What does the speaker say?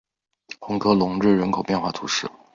红科隆日人口变化图示